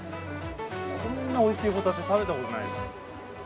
こんなおいしいホタテ食べたことないです。